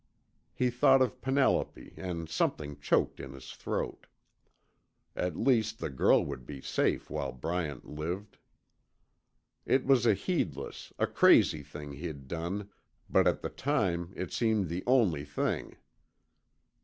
He thought of Penelope and something choked in his throat. At least, the girl would be safe while Bryant lived. It was a heedless, a crazy thing he'd done, but at the time it seemed the only thing.